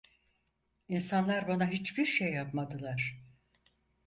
İnsanlar bana hiçbir şey yapmadılar…